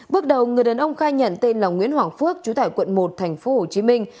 bước đầu người đàn ông khai nhận tên là nguyễn hoàng phước chú tải quận một tp hồ chí minh